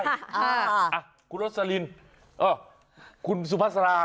อ่าอ่าคุณโรสลินอ้อคุณสุภาษณา